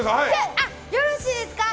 よろしいですか。